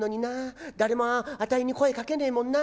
誰もあたいに声かけねえもんな。